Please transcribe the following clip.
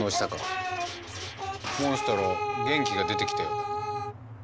モンストロ元気が出てきたようだ。